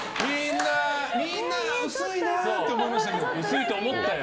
みんなが薄いなって思いましたよ。